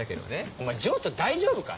お前情緒大丈夫か？